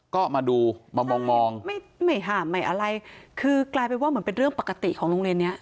ก็มาดูมามองมองไม่ไม่ห้ามไม่อะไรคือกลายเป็นว่าเหมือนเป็นเรื่องปกติของโรงเรียนเนี้ย